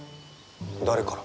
誰から？